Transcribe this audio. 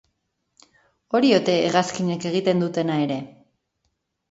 Hori ote hegazkinek egiten dutena ere?